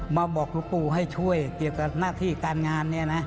มาบอกหลวงปู่ให้ช่วยเกี่ยวกับหน้าที่การงานเนี่ยนะ